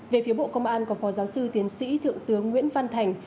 về phía bộ công an có phó giáo sư tiến sĩ thượng tướng nguyễn văn thành